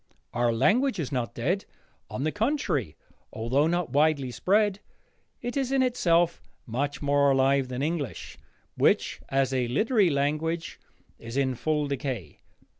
Our language is not dead; on the contrary, although not widely spread, it is in itself much more alive than English, which as a literary language is in full decay.